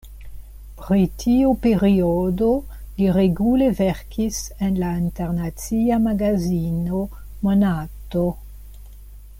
Pri tiu periodo li regule verkis en la internacia magazino Monato.